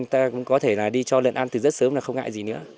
người ta cũng có thể đi cho lượn ăn từ rất sớm là không ngại gì nữa